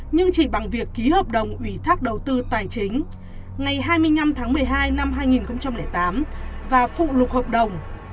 nhưng chỉ bằng việc ký hợp đồng ủy thác đầu tư tài chính ngày hai mươi năm tháng một mươi hai năm hai nghìn tám và phụ lục hợp đồng